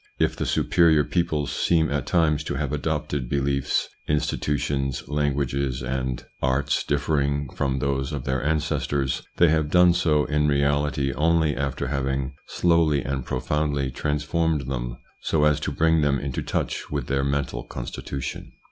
If the superior peoples seem at times to have adopted beliefs, institutions, languages and ITS INFLUENCE ON THEIR EVOLUTION 83 arts differing from those of their ancestors, they have done so in reality only after having slowly and profoundly transformed them so as to bring them into touch with their mental constitution.